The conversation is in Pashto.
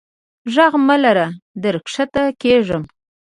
ږغ مه لره در کښته کیږم.